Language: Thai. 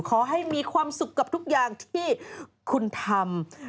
ขอให้มีความสุขกับทุกอย่างที่คุณทำ